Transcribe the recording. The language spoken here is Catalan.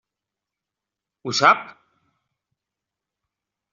Ho sap?